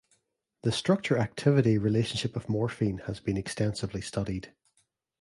The structure-activity relationship of morphine has been extensively studied.